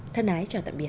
thân ái chào tạm biệt